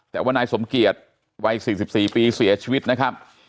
แต่ว่านายสมเกียจวัย๔๔ปีเสียชีวิตนะครับ